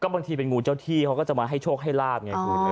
บางทีเป็นงูเจ้าที่เขาก็จะมาให้โชคให้ลาบไงคุณ